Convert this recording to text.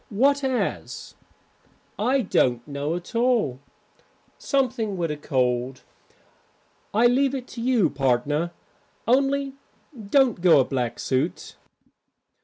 "What as?" "I don't know at all something with a cold. I leave it to you, partner, only don't go a black suit."